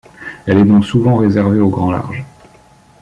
Elle est donc souvent réservée au grand large.